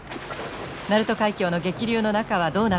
鳴門海峡の激流の中はどうなっているのか？